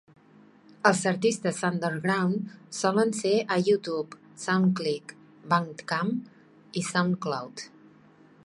Els artistes underground solen ser a YouTube, SoundClick, Bandcamp i SoundCloud.